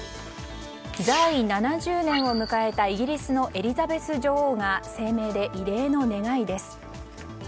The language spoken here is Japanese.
在位７０年を迎えたイギリスのエリザベス女王が声明で異例の願いです。